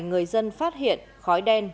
người dân phát hiện khói đen